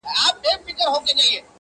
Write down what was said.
o د غله ځاى په غره کي نسته!